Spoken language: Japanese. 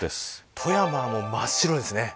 富山は、もう真っ白ですね。